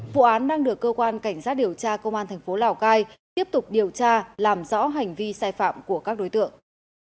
vụ án đang được cơ quan cảnh sát điều tra công an thành phố lào cai tiếp tục điều tra làm rõ hành vi sai phạm của các đối tượng